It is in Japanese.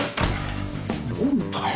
・何だよ。